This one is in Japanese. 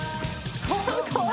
本当